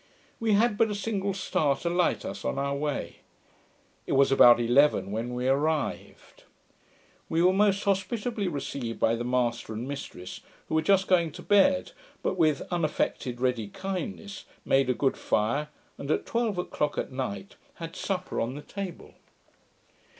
We had but a single star to light us on our way. It was about eleven when we arrived. We were most hospitably received by the master and mistress, who were just going to bed, but, with unaffected ready kindness, made a good fire, and at twelve o'clock at night had supper on the table.